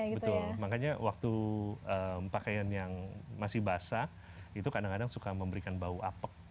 betul makanya waktu pakaian yang masih basah itu kadang kadang suka memberikan bau apek